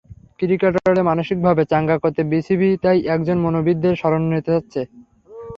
ক্রিকেটারদের মানসিকভাবে চাঙা করতে বিসিবি তাই একজন মনোবিদের শরণ নিতে যাচ্ছে।